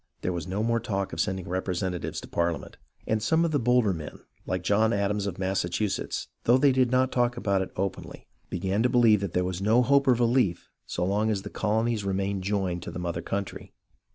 There was no more talk of sending representatives to Parliament, and some of the bolder men, like John Adams of Massachusetts, though they did not talk it openly, began to believe that there was no hope of relief so long as the colonies remained joined to the mother country.